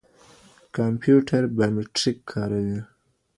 کمپيوټر بايوميټريک کاروي.